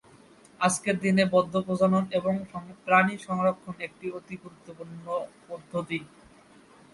আজকের দিনে বদ্ধ প্রজনন এবং প্রাণী সংরক্ষণ একটি অতি গুরুত্বপূর্ণ পদ্ধতি।